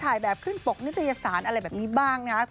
ถ่ายแบบขึ้นปกนิตยสารอะไรแบบนี้บ้างนะครับ